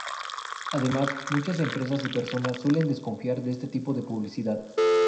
Además, muchas empresas y personas suelen desconfiar de este tipo de publicidad.